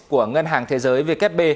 của ngân hàng thế giới vkp